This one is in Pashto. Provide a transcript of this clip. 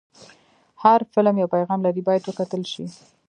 هر فلم یو پیغام لري، باید وکتل شي.